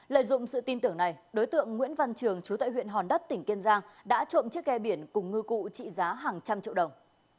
lợi dụng sự tin tưởng này đối tượng nguyễn văn trường chú tại huyện hòn đất tỉnh kiên giang đã trộm chiếc ghe biển cùng ngư cụ trị giá hàng trăm triệu đồng